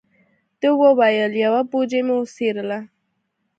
ده و ویل: یوه بوجۍ مې وڅیرله.